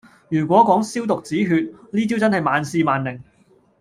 如果講消毒止血，呢招真係萬試萬靈